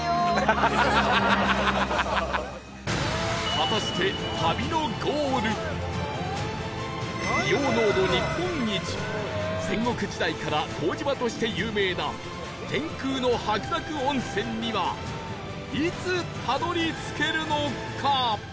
果たして硫黄濃度日本一戦国時代から湯治場として有名な天空の白濁温泉にはいつたどり着けるのか？